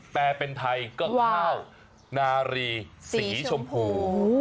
แปลเป็นไทยก็ข้าวนารีสีชมพู